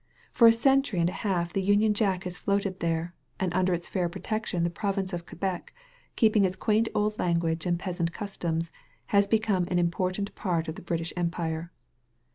For a century and a half the Union Jack has floated there, and under its fair protection the Province of Quebec, keeping its quaint old language and peasant customs, has become an important part of the British Empire.